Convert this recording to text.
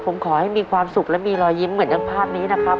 ผมขอให้มีความสุขและมีรอยยิ้มเหมือนดังภาพนี้นะครับ